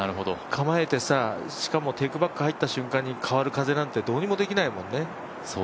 構えて、しかもテークバック入った瞬間の風なんてどうにもできないもんね。